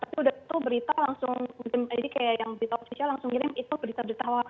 aku udah tuh berita langsung mungkin kayak yang berita official langsung ngirim itu berita berita hoax